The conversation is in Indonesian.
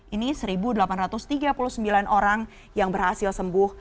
ini satu delapan ratus tiga puluh sembilan orang yang berhasil sembuh